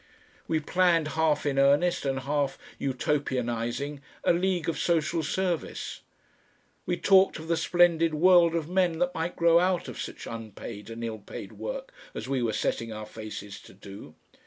We planned half in earnest and half Utopianising, a League of Social Service. We talked of the splendid world of men that might grow out of such unpaid and ill paid work as we were setting our faces to do.